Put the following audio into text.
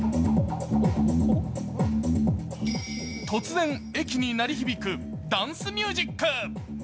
すると突然、駅に鳴り響くダンスミュージック。